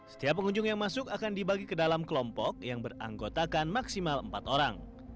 setiap pengunjung yang masuk akan dibagi ke dalam kelompok yang beranggotakan maksimal empat orang